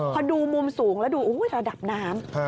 พอดูมุมสูงแล้วดูระดับน้ำ